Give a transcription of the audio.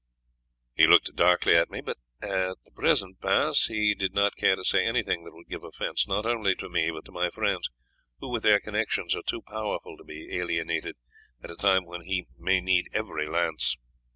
"He looked darkly at me, but at the present pass he did not care to say anything that would give offence, not only to me, but to my friends, who with their connections are too powerful to be alienated at a time when he may need every lance.